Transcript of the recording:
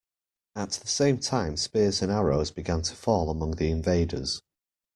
At the same time spears and arrows began to fall among the invaders.